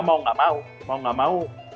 mau gak mau mau gak mau